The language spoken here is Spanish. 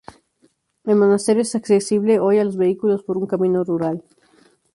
El monasterio es accesible hoy a los vehículos por un camino rural.